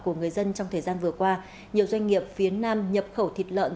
của người dân trong thời gian vừa qua nhiều doanh nghiệp phía nam nhập khẩu thịt lợn